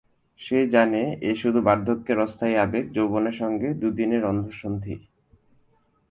সে জানে এ শুধু বার্ধক্যের অস্থায়ী আবেগ, যৌবনের সঙ্গে দুদিনের অন্ধ সন্ধি।